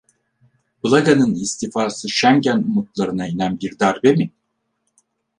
Blaga'nın istifası Schengen umutlarına inen bir darbe mi?